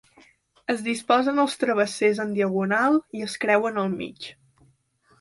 Es disposen els travessers en diagonal i es creuen al mig.